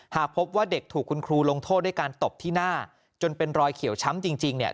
หากพบว่าเด็กถูกคุณครูลงโทษด้วยการตบที่หน้าจนเป็นรอยเขียวช้ำจริงเนี่ย